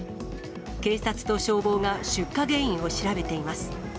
警察と消防が出火原因を調べています。